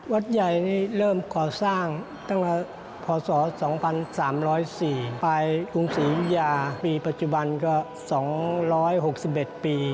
วัดใหญ่นี่เริ่มก่อสร้างตั้งแต่พศ๒๓๐๔ไปกรุงศรีวิทยาปีปัจจุบันก็๒๖๑ปี